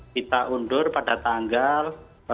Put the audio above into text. kita undur pada tanggal